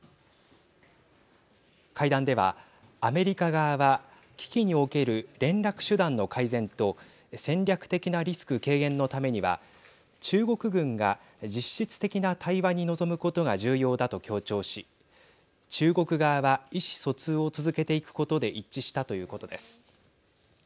会談では、アメリカ側は危機における連絡手段の改善と戦略的なリスク軽減のためには中国軍が実質的な対話に臨むことが重要だと強調し中国側は意思疎通を続けていくことで一致したということです。